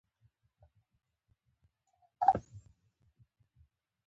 د زغر ګل د غوړ لپاره وکاروئ